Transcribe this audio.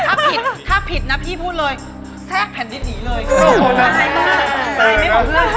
ถ้าผิดถ้าผิดนะพี่พูดเลยแทรกแผ่นดินหนีเลย